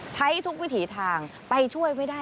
ใช้ทุกวิถีทางไปช่วยไว้ได้